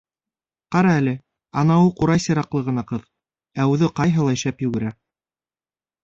— Ҡара әле, анауы ҡурай сираҡлы ғына ҡыҙ, ә үҙе ҡайһылай шәп йүгерә.